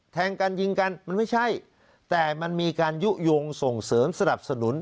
แทงกันยิงกันมันไม่ใช่แต่มันมีการยุโยงส่งเสริมสนับสนุน